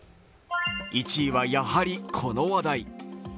１位はやはりこの話題。